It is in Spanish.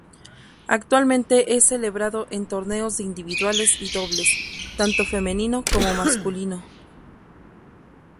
Actualmente es celebrado en torneos de individuales y dobles, tanto femenino como masculino.